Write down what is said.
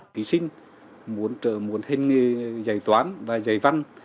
thí sinh muốn hình dạy toán và dạy văn